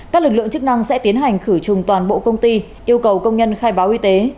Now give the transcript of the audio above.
các lực lượng chức năng sẽ tiến hành khử trùng toàn bộ công ty yêu cầu công nhân khai báo y tế